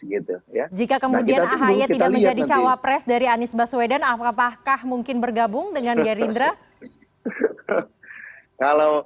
jika kemudian ahy tidak menjadi cawapres dari anies baswedan apakah mungkin bergabung dengan gerindra